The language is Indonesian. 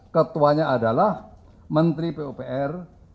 ketuanya adalah menteri pupr